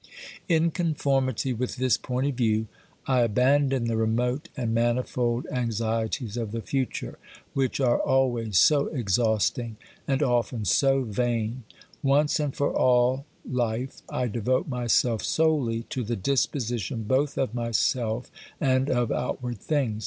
In conformity with this point of view, I abandon the remote and manifold anxieties of the future, which are always so exhausting, and often so vain : once, and for all life, I devote myself solely to the disposition both of myself and of outward things.